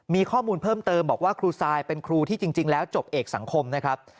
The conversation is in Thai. มีข้อมูลเพิ่มเติมบอกว่าครูซายเป็นครูที่จริงแล้วจบเอกสังคมนะครับ